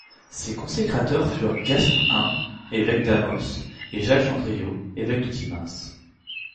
Ses coconsécrateurs furent Gaston Hains, évêque d'Amos et Jacques Landriault, évêque de Timmins.